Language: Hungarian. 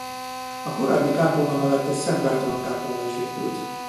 A korábbi kápolna mellett egy Szent Bertalan kápolna is épült.